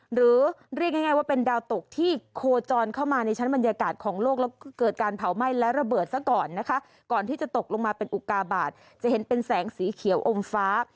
หรือเรียกง่ายว่าเป็นดาวตกที่โคจรเข้ามาในชั้นบรรยากาศของโลกแล้วเกิดการเผาไหม้และระเบิดซะก่อนนะคะก่อนที่จะตกลงมาเป็นอุกาบาทจะเห็นเป็นแสงสีเขียวอมฟ้า